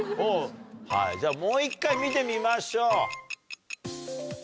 はいじゃあもう１回見てみましょう。